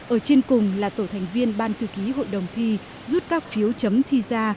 ở trên cùng là tổ thành viên ban thư ký hội đồng thi rút các phiếu chấm thi ra